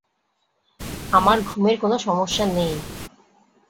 আমার ঘুমের কোনো সমস্যা নেই!